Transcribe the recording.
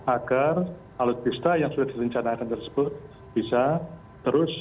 agar alutsista yang sudah direncanakan tersebut bisa terus